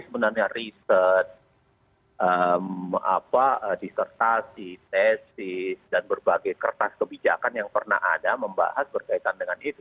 sebenarnya riset disertasi tesis dan berbagai kertas kebijakan yang pernah ada membahas berkaitan dengan itu